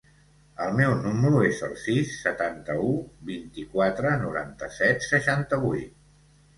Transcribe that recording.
El meu número es el sis, setanta-u, vint-i-quatre, noranta-set, seixanta-vuit.